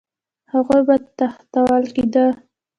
هغوی به تښتول کېده